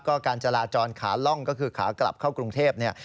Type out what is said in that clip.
ก็การจราจรขาล่องก็คือขากลับเข้ากรุงเทพเนี่ย